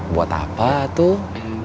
buat apa tuh